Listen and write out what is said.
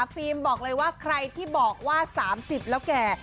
บอกเลยว่าใครที่บอกว่า๓๐แล้วแก่